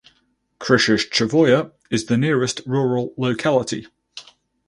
Khryashchevoye is the nearest rural locality.